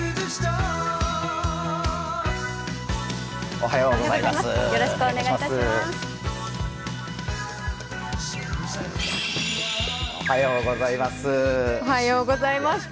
おはようございます。